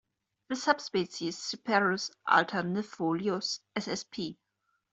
The subspecies "Cyperus alternifolius" ssp.